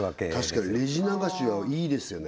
確かにレジ流しはいいですよね